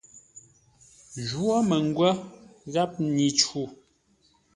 Jwó məngwə́ gháp nyi-cuu.